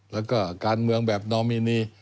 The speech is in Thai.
แล้วก็การเมืองแบบนอมินี